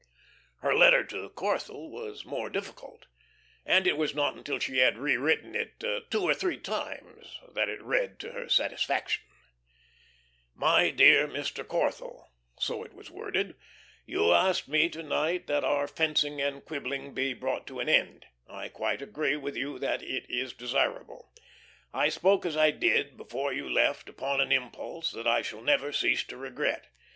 Her letter to Corthell was more difficult, and it was not until she had rewritten it two or three times that it read to her satisfaction. "My dear Mr. Corthell," so it was worded, "you asked me to night that our fencing and quibbling be brought to an end. I quite agree with you that it is desirable. I spoke as I did before you left upon an impulse that I shall never cease to regret.